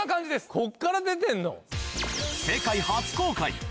ここから出てるの？